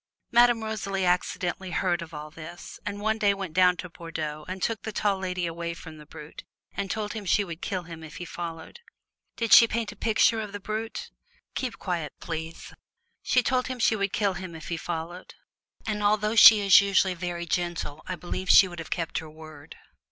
Madame Rosalie accidentally heard of all this, and one day went down to Bordeaux and took the Tall Lady away from the Brute and told him she would kill him if he followed. "Did she paint a picture of the Brute?" "Keep quiet, please!" She told him she would kill him if he followed, and although she is usually very gentle I believe she would have kept her word.